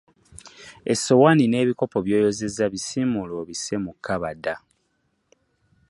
Essowaani n'ebikopo by'oyozezza bissimuule obisse mu kabada.